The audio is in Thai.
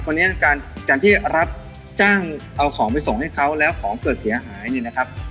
วันนี้การที่รับจ้างเอาของไปส่งให้เขาแล้วของเกิดเสียหายเนี่ยนะครับ